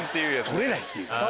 取れない！っていう。